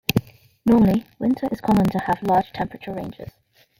Normally, winter is common to have large temperature ranges.